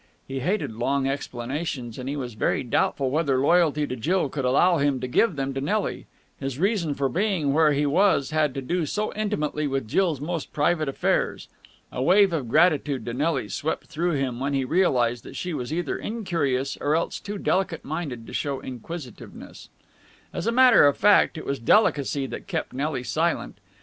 He hated long explanations, and he was very doubtful whether loyalty to Jill could allow him to give them to Nelly. His reason for being where he was had to do so intimately with Jill's most private affairs. A wave of gratitude to Nelly swept through him when he realized that she was either incurious or else too delicate minded to show inquisitiveness. As a matter of fact, it was delicacy that kept Nelly silent.